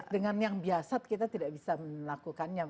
dengan yang biasa kita tidak bisa melakukannya